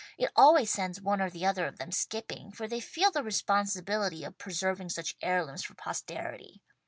It always sends one or the other of them skipping, for they feel the responsibility of preserving such heirlooms for posterity.